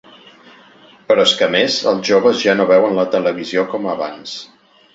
Però és que a més els joves ja no veuen la televisió com abans.